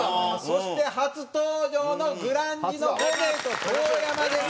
そして初登場のグランジの五明と遠山です。